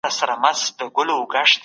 خپل ارزښت وپېژنئ.